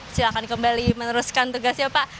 silahkan kembali meneruskan tugasnya pak